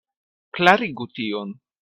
Klarigu tion.